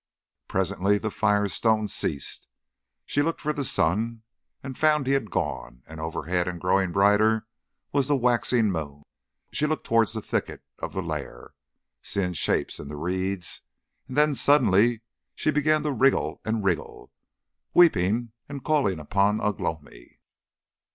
Presently the firestone ceased. She looked for the sun and found he had gone, and overhead and growing brighter was the waxing moon. She looked towards the thicket of the lair, seeking shapes in the reeds, and then suddenly she began to wriggle and wriggle, weeping and calling upon Ugh lomi.